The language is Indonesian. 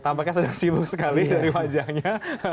tampaknya sedang sibuk sekali dari wajahnya